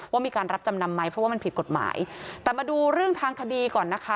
ว่ามีการรับจำนำไหมเพราะว่ามันผิดกฎหมายแต่มาดูเรื่องทางคดีก่อนนะคะ